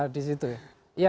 di situ ya